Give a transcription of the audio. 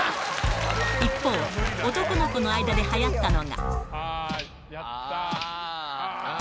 一方、男の子の間ではやったのが。